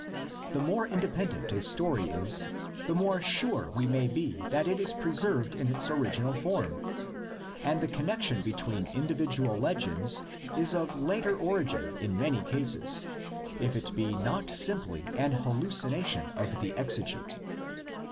The more independent a story is, the more sure we may be that it is preserved in its original form. And the connexion between individual legends is of later origin in many cases, if it be not simply an hallucination of the exegete.